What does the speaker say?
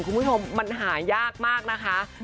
คุณผู้ชมมันหายากมากนะคะ